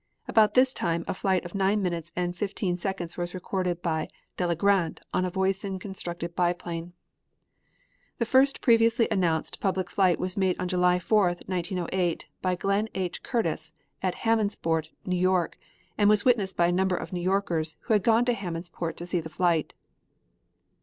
About this time a flight of nine minutes and fifteen seconds was recorded by Delagrande on a Voisin constructed biplane. The first previously announced public flight was made on July 4, 1908, by Glenn H. Curtiss at Hammondsport, N. Y., and was witnessed by a number of New Yorkers who had gone to Hammondsport to see the flight.